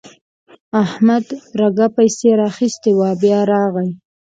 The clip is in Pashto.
احمد رګه پسې راخيستې وه؛ بيا راغی.